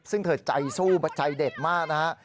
ซึ่งเธอใจสู้ใจเด็ดมากนะฮะ